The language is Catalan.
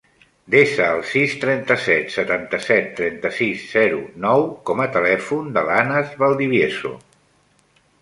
Desa el sis, trenta-set, setanta-set, trenta-sis, zero, nou com a telèfon de l'Anas Valdivieso.